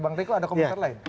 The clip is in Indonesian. bang riko ada komentar lain